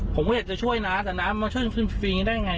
ไกลนะเท่าไรฮะ